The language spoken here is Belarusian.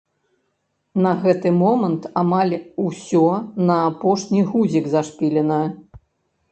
На гэты момант амаль усё на апошні гузік зашпілена?